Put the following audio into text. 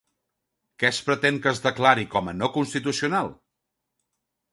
Què es pretén que es declari com a no-constitucional?